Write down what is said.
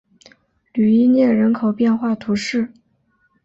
吕伊涅人口变化图示